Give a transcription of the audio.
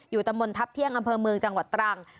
อยู่ตะมนต์ทับเที่ยงอำเภอเมืองจังหวัดตรัง